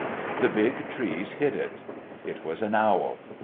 The big trees hid it. It was an owl.